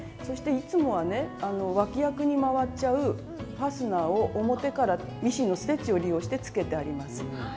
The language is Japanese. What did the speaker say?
そしていつもはね脇役に回っちゃうファスナーを表からミシンのステッチを利用してつけてあります。